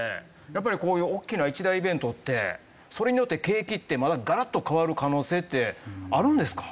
やっぱりこういう大きな一大イベントってそれによって景気ってまだガラッと変わる可能性ってあるんですか？